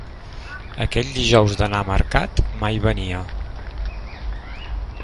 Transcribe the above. Aquell dijous d'anar a mercat mai venia